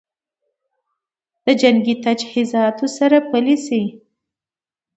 د جنګي تجهیزاتو سره پلي شي